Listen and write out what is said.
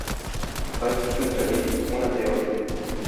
Vaig suggerir una teoria.